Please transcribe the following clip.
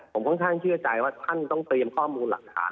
ผมค่อนข้างเชื่อใจว่าท่านต้องเตรียมข้อมูลหลักฐาน